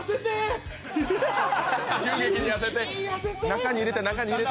中に入れて、中に！